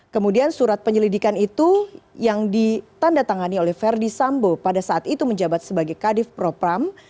kemudian surat penyelidikan itu yang ditanda tangani oleh verdi sambo pada saat itu menjabat sebagai kadif propam